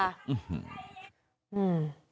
อื้อฮือ